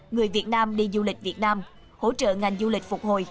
người việt nam đi du lịch việt nam hỗ trợ ngành du lịch phục hồi